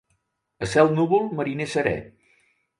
A cel núvol, mariner serè.